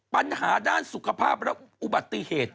ปัญหาด้านสุขภาพและอุบัติเหตุ